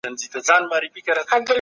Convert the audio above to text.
غير اسلامي اقليتونه په امن کي ژوند کوي.